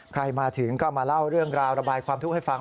ใครมาถึงก็มาเล่าเรื่องราวระบายความทุกข์ให้ฟัง